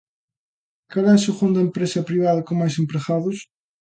Cal é a segunda empresa privada con mais empregados?